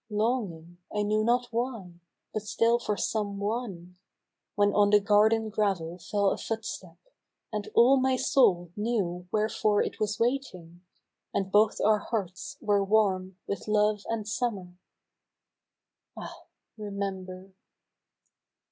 Longing, I knew not why, but still for some one, When on the garden gravel fell a footstep. And all my soul knew wherefore it was waiting, And both our hearts were warm with Love and Summer —! Ah ! remember